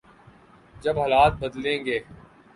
جب حالات بدلیں گے۔